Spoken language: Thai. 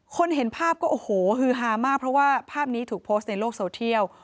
เห็นภาพก็โอ้โหฮือฮามากเพราะว่าภาพนี้ถูกโพสต์ในโลกโซเทียล